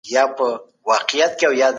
فردي حقوق د ډیموکراسۍ ستنه ده.